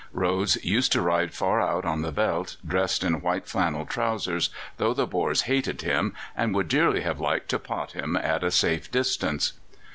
Rhodes used to ride far out on the veldt, dressed in white flannel trousers, though the Boers hated him, and would dearly have liked to pot him at a safe distance.